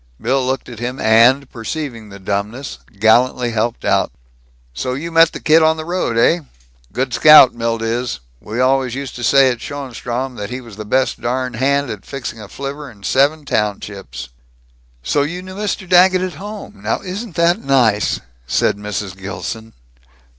Bill looked at him and, perceiving the dumbness, gallantly helped out: "So you met the kid on the road, eh? Good scout, Milt is. We always used to say at Schoenstrom that he was the best darn hand at fixing a flivver in seven townships." "So you knew Mr. Daggett at home? Now isn't that nice," said Mrs. Gilson.